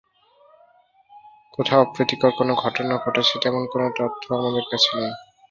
কোথাও অপ্রীতিকর কোনো ঘটনা ঘটেছে, তেমন কোনো তথ্যও আমাদের কাছে নেই।